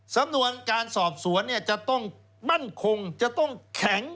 สำนวนการสอบสวนจะต้องมั่นคงจะต้องแข็ง